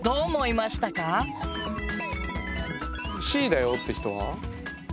Ｃだよって人は？